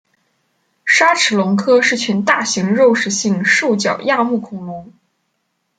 鲨齿龙科是群大型肉食性兽脚亚目恐龙。